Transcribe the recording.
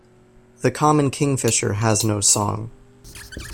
The common kingfisher has no song.